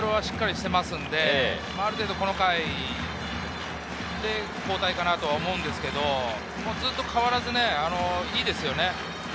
後ろはしっかりしていますので、ある程度この回で交代かなと思うんですけど、ずっと変わらず、いいですよね。